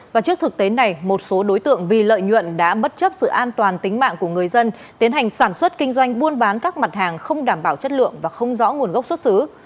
và trước thực tế này một số đối tượng vì lợi nhuận đã bất chấp sự an toàn tính mạng của người dân tiến hành sản xuất kinh doanh buôn bán các mặt hàng không đảm bảo chất lượng và không rõ nguồn gốc xuất xứ